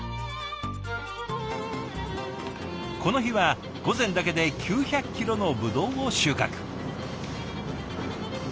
この日は午前だけで９００キロのブドウを収穫。